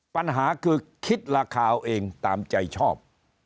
ปัญหาคือคิดราคาเอาเองตามใจชอบ